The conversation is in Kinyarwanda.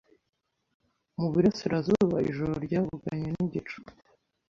muburasirazuba Ijoro ryavuganye nigicu